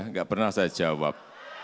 tidak pernah saya jawab